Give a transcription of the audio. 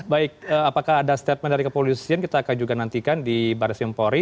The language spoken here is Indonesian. baik apakah ada statement dari kepolisian kita akan juga nantikan di baris krimpori